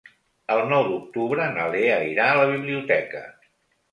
El nou d'octubre na Lea irà a la biblioteca.